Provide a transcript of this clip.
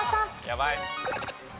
やばい。